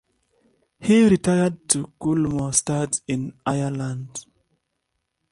He retired to Coolmore stud in Ireland.